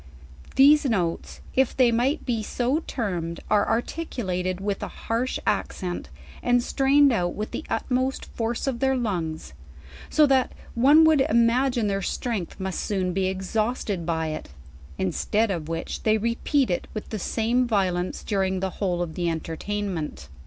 These notes, if they might be so termed, are articulated with a harsh accent, and strained out with the ut most force of their lungs; so that one would imagine their strength must soon be exhausted by it; instead of which, they repeat it with the samp violence during the whole oi the entertainment.